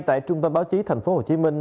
tại trung tâm báo chí thành phố hồ chí minh